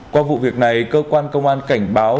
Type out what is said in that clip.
qua vụ việc này cơ quan công an cảnh báo